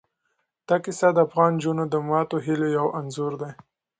دا کیسه د افغان نجونو د ماتو هیلو یو انځور دی.